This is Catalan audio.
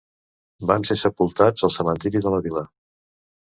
Van ser sepultats al cementiri de la vila.